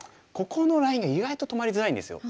ここのラインが意外と止まりづらいんですよ。